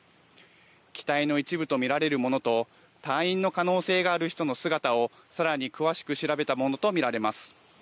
機体の一部と見られるものと隊員の可能性がある人の姿をさらに詳しく調べたものと見られます。